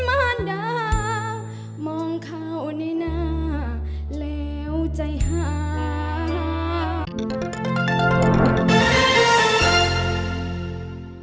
พระบัติธรรมดาอธิบัติท่านมูลไทยฆ่าศึกว่าท่านตลอดการกระพรุนด่างโบราณ